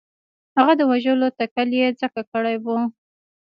هغه د وژلو تکل یې ځکه کړی وو.